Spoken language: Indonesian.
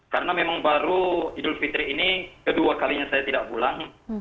karena memang baru idul fitri ini kedua kalinya saya tidak pulang